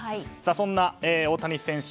そんな大谷選手